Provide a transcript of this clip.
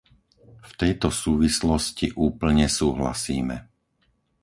V tejto súvislosti úplne súhlasíme.